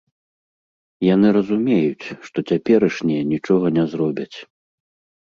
Яны разумеюць, што цяперашнія нічога не зробяць.